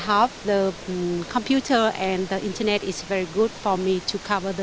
kami memiliki komputer dan internet yang sangat baik untuk kita menutupi berita